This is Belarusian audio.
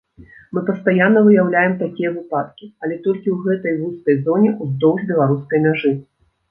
Мы пастаянна выяўляем такія выпадкі, але толькі ў гэтай вузкай зоне ўздоўж беларускай мяжы!